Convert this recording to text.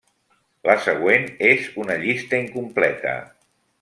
La següent és una llista incompleta.